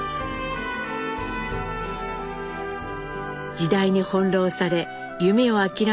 時代に翻弄され夢を諦めた２人。